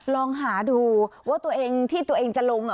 ลองหาดูว่าตัวเองที่ตัวเองจะลง